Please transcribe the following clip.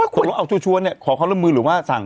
ตกลงเอาชัวร์เนี่ยขอความร่วมมือหรือว่าสั่ง